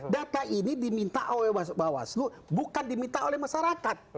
data ini diminta oleh bawaslu bukan diminta oleh masyarakat